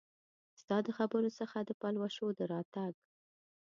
ستا د خبرو څخه د پلوشو د راتګ